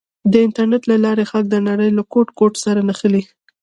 د انټرنېټ له لارې خلک د نړۍ له ګوټ ګوټ سره نښلي.